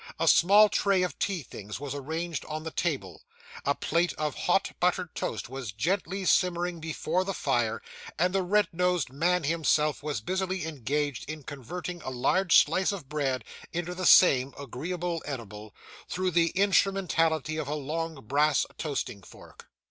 A small tray of tea things was arranged on the table; a plate of hot buttered toast was gently simmering before the fire; and the red nosed man himself was busily engaged in converting a large slice of bread into the same agreeable edible, through the instrumentality of a long brass toasting fork.